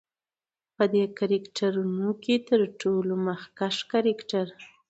په دې کرکترونو کې تر ټولو مخکښ کرکتر